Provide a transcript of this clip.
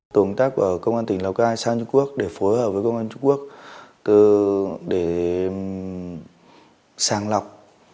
tổng tác của công an tỉnh lào cai sang trung quốc để phối hợp với công an trung quốc để sàng lọc